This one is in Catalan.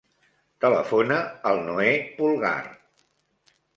Telefona al Noè Pulgar.